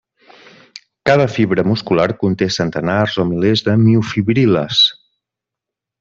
Cada fibra muscular conté centenars o milers de miofibril·les.